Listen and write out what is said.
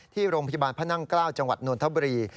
ที่โรงพยาบาลพระนั่งเกล้าจังหวัดนทบุรี